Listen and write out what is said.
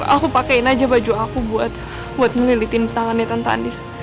aku pakein aja baju aku buat ngelilitin tangannya tante andis